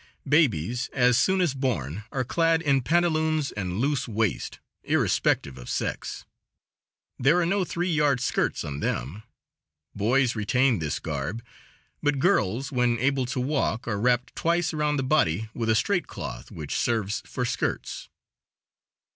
Babies, as soon as born, are clad in pantaloons and loose waist, irrespective of sex. There are no three yard skirts on them. Boys retain this garb, but girls, when able to walk, are wrapped twice around the body with a straight cloth which serves for skirts.